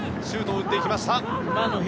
シュートを打っていきました堂安。